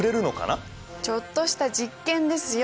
ちょっとした実験ですよ。